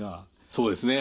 そうですね